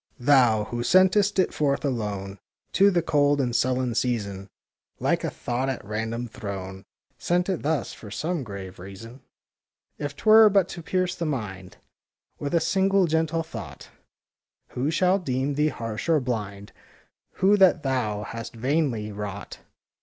Thou, who sent'st it forth alone To the cold and sullen season, (Like a thought at random thrown), Sent it thus for some grave reason! TO THE SNOWDROP 13 If 'twere but to pierce the mind With a single, gentle thought, Who shall deem thee harsh or blind, Who that thou hast vainly wrought?